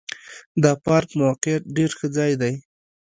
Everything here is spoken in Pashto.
د پارک موقعیت ډېر ښه ځای دی.